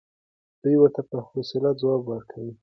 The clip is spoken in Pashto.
دی ورته په حوصله ځواب ورکوي.